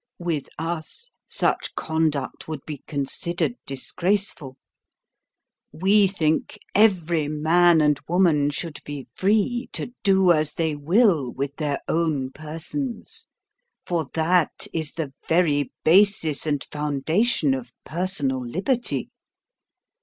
With us, such conduct would be considered disgraceful. We think every man and woman should be free to do as they will with their own persons; for that is the very basis and foundation of personal liberty.